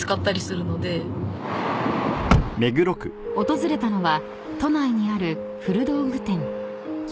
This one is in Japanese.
［訪れたのは都内にある古道具店］